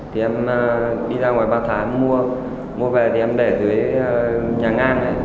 thì em đi ra ngoài ba tháng mua mua về thì em để dưới nhà ngang đấy